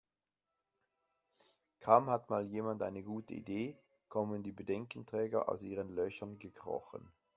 Kaum hat mal jemand eine gute Idee, kommen die Bedenkenträger aus ihren Löchern gekrochen.